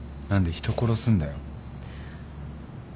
人殺すんだよ。